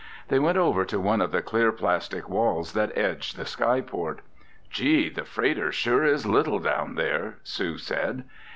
They went over to one of the clear plastic walls that edged the skyport. "Gee, the freighter sure is little down there!" Sue said.